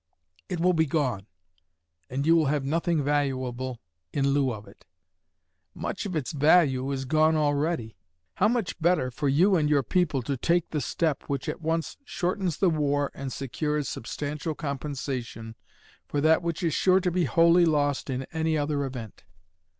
It will be gone, and you will have nothing valuable in lieu of it. Much of its value is gone already. How much better for you and for your people to take the step which at once shortens the war and secures substantial compensation for that which is sure to be wholly lost in any other event!